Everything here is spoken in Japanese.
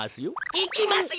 いきますよ！